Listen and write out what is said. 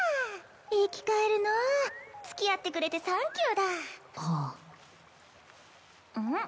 生き返るのうつきあってくれてサンキューだはあうん？